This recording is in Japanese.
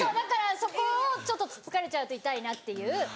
そこをちょっとつつかれちゃうと痛いなっていう。